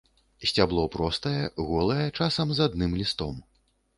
Сцябло простае, голае, часам з адным лістом.